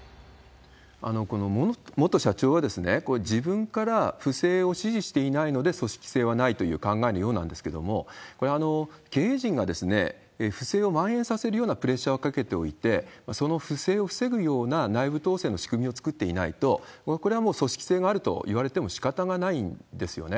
この元社長は、これ、自分から不正を指示していないので組織性はないという考えのようなんですけれども、これ、経営陣が不正をまん延させるようなプレッシャーをかけておいて、その不正を防ぐような内部統制の仕組みを作っていないと、これはもう組織性があるといわれてもしかたがないんですよね。